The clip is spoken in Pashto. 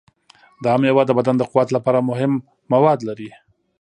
دا میوه د بدن د قوت لپاره مهم مواد لري.